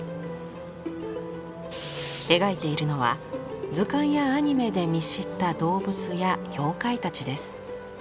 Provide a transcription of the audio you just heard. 描いているのは図鑑やアニメで見知った動物や妖怪たちです。